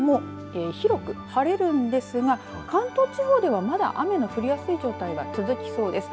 あすも広く晴れるんですが関東地方では、まだ雨の降りやすい状態が続きそうです。